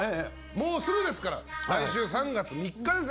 もうすぐですから来週３月３日。